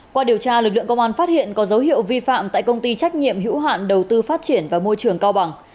qua điều tra lực lượng công an phát hiện có dấu hiệu vi phạm tại công ty trách nhiệm hữu hạn đầu tư phát triển và môi trường cao bằng